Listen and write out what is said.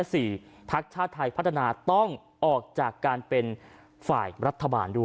พักชาติไทยพัฒนาต้องออกจากการเป็นฝ่ายรัฐบาลด้วย